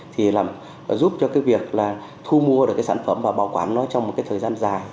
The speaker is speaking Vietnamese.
thì làm giúp cho cái việc là thu mua được cái sản phẩm và bảo quản nó trong một cái thời gian dài